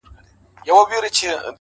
په عزت په شرافت باندي پوهېږي،